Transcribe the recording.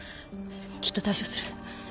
きっと対処する。